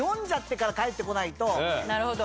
なるほど。